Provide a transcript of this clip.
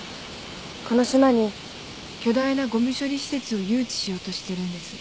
この島に巨大なゴミ処理施設を誘致しようとしてるんです。